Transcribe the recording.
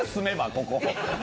ここ。